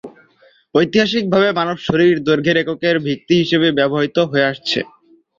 ঐতিহাসিকভাবে মানব শরীর দৈর্ঘ্যের এককের ভিত্তি হিসেবে ব্যবহৃত হয়ে আসছে।